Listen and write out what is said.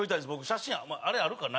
写真あれあるかな？